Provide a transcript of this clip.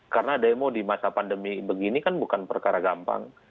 karena demo di masa pandemi begini kan bukan perkara gampang